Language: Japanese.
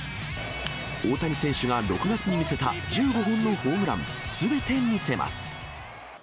大谷選手が６月に見せた１５本のホームラン、すべて見せます。